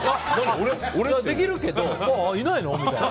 できるけど、いないの？みたいな。